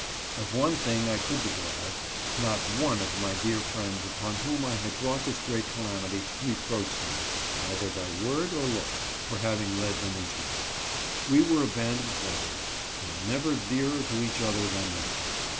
Of one thing I could be glad : not one of my dear friends upon whom I had brought this great calamity, reproached me, either by word or look, for having led them into it. We were a band of brothers, and never dearer to each other than now.